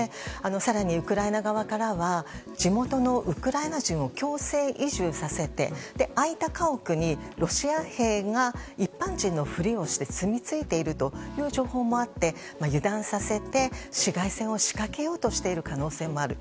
更にウクライナ側からは地元のウクライナ人を強制移住させて空いた家屋にロシア兵が一般人のふりをして住み着いているという情報もあって油断させて市街戦を仕掛けようとしている可能性もある。